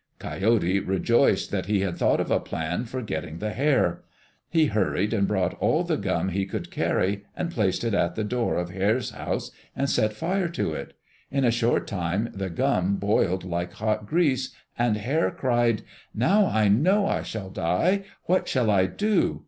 Coyote rejoiced that he had thought of a plan for getting the hare. He hurried and brought all the gum he could carry and placed it at the door of Hare's house and set fire to it. In a short time the gum boiled like hot grease, and Hare cried, "Now I know I shall die! What shall I do?"